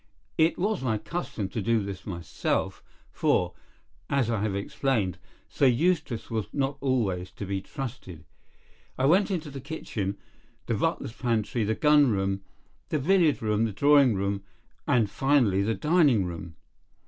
It was my custom to do this myself, for, as I have explained, Sir Eustace was not always to be trusted. I went into the kitchen, the butler's pantry, the gun room, the billiard room, the drawing room, and finally the dining room.